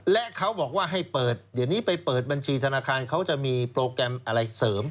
และเขาบอกว่าให้เปิดเดี๋ยวนี้ไปเปิดบัญชีธนาคารเขาจะมีโปรแกรมอะไรเสริม